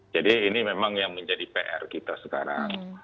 jadi ini memang yang menjadi pr kita sekarang